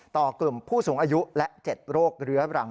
ต่อกลุ่มผู้สูงอายุและ๗โรคเรื้อรัง